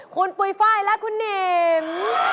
คุณปุ๋ยไฟล์และคุณหนิม